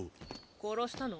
殺したの？